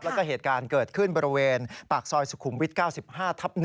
แล้วก็เหตุการณ์เกิดขึ้นบริเวณปากซอยสุขุมวิท๙๕ทับ๑